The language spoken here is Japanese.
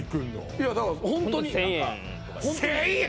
いやだからホントに１０００円？